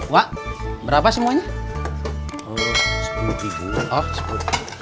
wak berapa semuanya